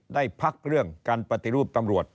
ได้พักเรื่องการปฏิรูปตำรวจ